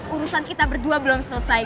urusan kita berdua belum selesai